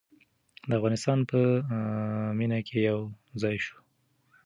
د افغانستان په مینه کې یو ځای شو.